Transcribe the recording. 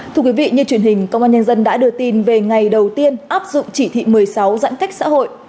thưa quý vị như truyền hình công an nhân dân đã đưa tin về ngày đầu tiên áp dụng chỉ thị một mươi sáu giãn cách xã hội